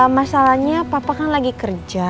masalahnya papa kan lagi kerja